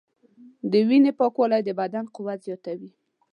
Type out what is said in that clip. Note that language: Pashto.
د وینې پاکوالی د بدن قوت زیاتوي.